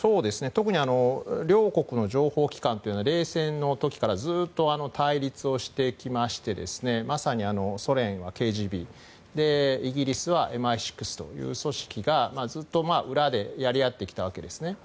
特に両国の情報機関というのは冷戦の時からずっと対立をしてきましてまさにソ連はＫＧＢイギリスはＭＩ６という組織がずっと裏でやり合ってきたわけですね。